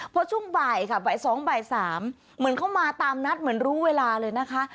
พอช่วงบ่ายค่ะบ่าย๒บ่าย๓เหมือนเข้ามาตามนัดเหมือนรู้เวลาเลยนะคะ